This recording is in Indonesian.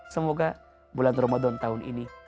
semoga bulan ramadan tahun ini